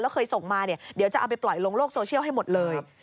แล้วเคยส่งมาเนี่ยเดี๋ยวจะเอาไปปล่อยลงโลกโซเชียลให้หมดเลย